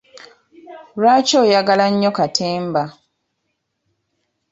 Lwaki oyagala nnyo katemba.